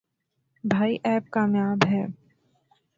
بھائی ایپ کامیاب ہے۔